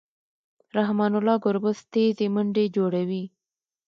رحمن الله ګربز تېزې منډې جوړوي.